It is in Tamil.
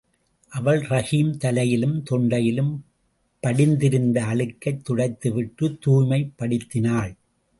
அவள் ரஹீம் தலையிலும், தொண்டையிலும் படிந்திருந்த அழுக்கைத் துடைத்து விட்டுத் தூய்மைப் படுத்தினாள்.